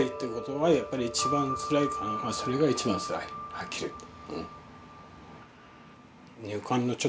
はっきり言って。